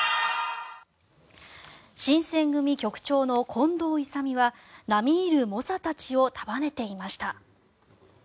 新撰組局長の近藤勇は並みいる猛者たちを束ねていました。